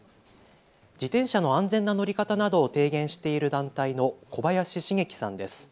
自転車の安全な乗り方などを提言している団体の小林成基さんです。